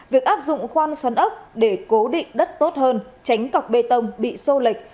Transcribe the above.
việc áp dụng khoan xoắn ốc để cố định đất tốt hơn tránh cọc bê tông bị sô lệch